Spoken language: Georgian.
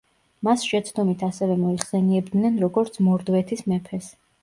მას შეცდომით ასევე მოიხსენებდნენ როგორც მორდვეთის მეფეს.